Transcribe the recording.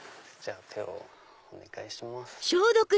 手をお願いします。